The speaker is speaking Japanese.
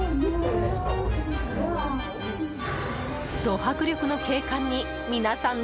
ド迫力の景観に皆さん